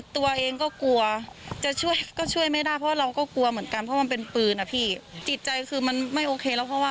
ตกใจมากคือแย่มาก